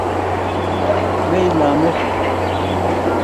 meila met